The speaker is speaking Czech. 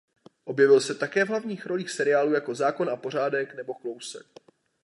Objevil se také v hlavních rolích seriálů jako "Zákon a pořádek" nebo "Closer".